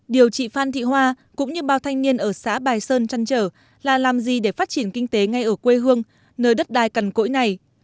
điều chị phan thị hoa cũng như bao thanh niên ở xã bài sơn chăn trở là làm gì để phát triển kinh tế ngay ở quê hương nơi đất đai cằn cỗi này